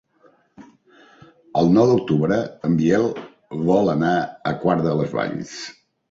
El nou d'octubre en Biel vol anar a Quart de les Valls.